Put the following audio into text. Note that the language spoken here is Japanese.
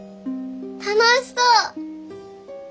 楽しそう！